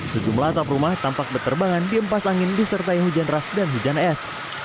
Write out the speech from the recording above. sejumlah atap rumah tampak berterbangan di empas angin disertai hujan ras dan hujan es